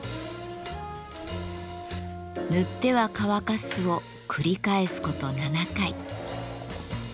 塗っては乾かすを繰り返すこと７回。